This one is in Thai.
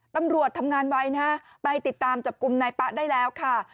ตำรวจทำงานไว้นะไปติดตามจับกลุ่มนายป๊ะได้แล้วค่ะ